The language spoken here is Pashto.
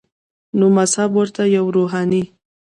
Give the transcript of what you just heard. نو مذهب ورته یوه روحاني